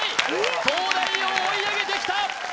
東大王追い上げてきた！